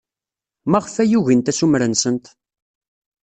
Maɣef ay ugint assumer-nsent?